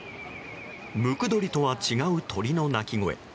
ムクドリとは違う鳥の鳴き声。